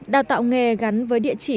đào tạo nghề gắn với địa chỉ